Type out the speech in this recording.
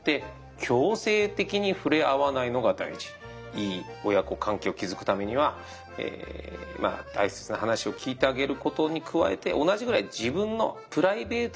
「いい親子関係を築くためには大切な話を聞いてあげることに加えて同じぐらい自分のプライベートを持たせてあげること」。